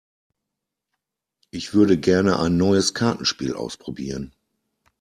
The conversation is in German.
Ich würde gerne ein neues Kartenspiel ausprobieren.